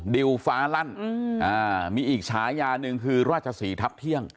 ดิวฟ้าลั่นมีอีกฉายาหนึ่งคือราชศรีทับเที่ยง